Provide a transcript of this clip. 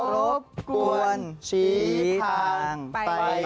รบกวนชี้ทางไป